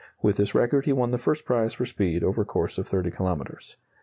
(With this record he won the first prize for speed over course of 30 kilometres.)